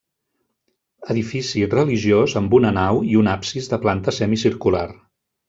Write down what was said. Edifici religiós amb una nau i un absis de planta semicircular.